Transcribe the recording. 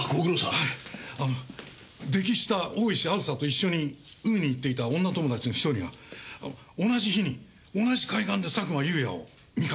はいあの溺死した大石あずさと一緒に海に行っていた女友達の１人があの同じ日に同じ海岸で佐久間有也を見かけてるんです。